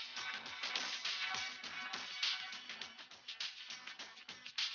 tunggu saya ganti pakaian dulu